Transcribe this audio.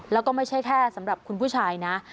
แล้วก็ไม่ใช่แค่คุณผู้ชายนะ